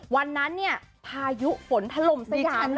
วันนั้นพายุฝนถล่มสยามเลยจ้ะ